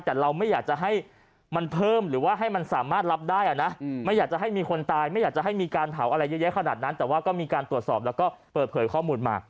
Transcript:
แต่เราไม่อยากจะให้มันเพิ่มหรือว่าให้มันสามารถรับได้อ่ะนะไม่อยากจะให้มีคนตายไม่อยากจะให้มีการเผาอะไรเยอะแยะขนาดนั้นแต่ว่าก็มีการตรวจสอบแล้วก็เปิดเผยข้อมูลมา